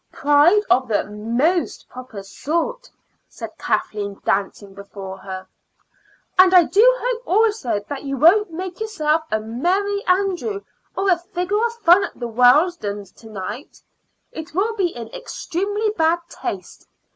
"Pride of the most proper sort," said Kathleen, dancing before her. "And I do hope, also, that you won't make yourself a merry andrew or a figure of fun at the Weldons' to night. It will be in extremely bad taste.